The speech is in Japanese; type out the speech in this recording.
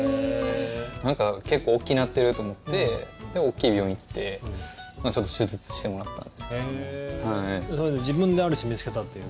なんか結構大きくなってるって思って大きい病院に行ってちょっと手術してもらった。